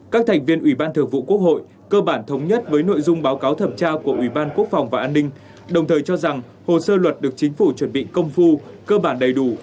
các thành viên ủy ban thường vụ quốc hội cơ bản thống nhất với nội dung báo cáo thẩm tra của ủy ban quốc phòng và an ninh đồng thời cho rằng hồ sơ luật được chính phủ chuẩn bị công phu cơ bản đầy đủ